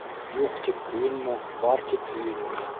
Юҡ тип көйөнмә, бар тип һөйөнмә: